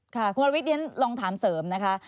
คุณวรวิทย์ฉันลองถามเสริมนะคะ